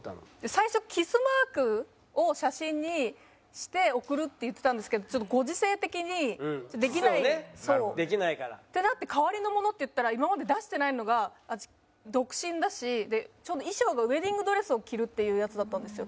最初キスマークを写真にして送るって言ってたんですけどちょっとご時世的にできないってなって代わりのものっていったら今まで出してないのが私独身だしちょうど衣装がウェディングドレスを着るっていうやつだったんですよ